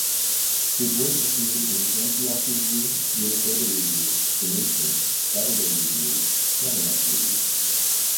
His work appeared in "Antioch Review", "Minnesota Review", "The Nation", "Saturday Review," "Tamarack Review".